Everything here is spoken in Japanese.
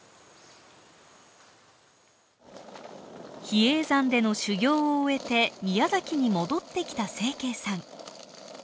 比叡山での修行を終えて宮崎に戻ってきた晴惠さん。